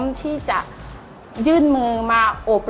การที่บูชาเทพสามองค์มันทำให้ร้านประสบความสำเร็จ